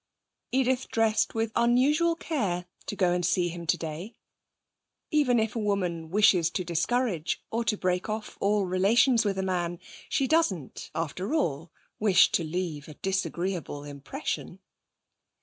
Edith dressed with unusual care to go and see him today. Even if a woman wishes to discourage or to break off all relations with a man, she doesn't, after all, wish to leave a disagreeable impression.